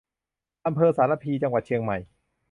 อำเภอสารภี จังหวัดเชียงใหม่